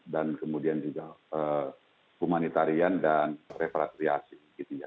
dan kemudian juga kumanitarian dan repatriasi gitu ya